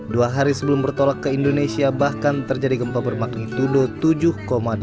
dua hari sebelum bertolak ke indonesia bahkan terjadi gempa bermagnitudo tujuh delapan